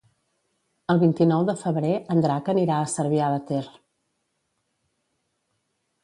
El vint-i-nou de febrer en Drac anirà a Cervià de Ter.